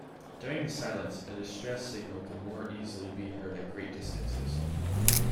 During the silence, a distress signal could more easily be heard at great distances.